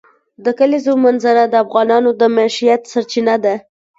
د کلیزو منظره د افغانانو د معیشت سرچینه ده.